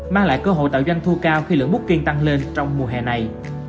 mang lại cơ hội tạo doanh thu cao khi lượng bút kiên tăng lên trong mùa hè này